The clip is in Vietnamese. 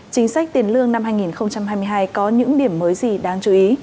chính sách tiền lương năm hai nghìn hai mươi hai có những điểm mới gì đáng chú ý